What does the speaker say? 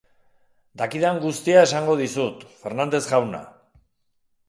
Dakidan guztia esango dizut, Fernandez jauna.